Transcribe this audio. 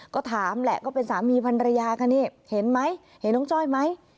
ก็ถามแหละก็เป็นสามีพันรยากันนี่เห็นไหมเห็นน้องจ้อยไหม